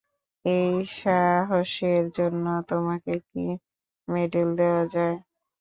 এই সাহসের জন্য তোমাকে কী মেডেল দেয়া যায়?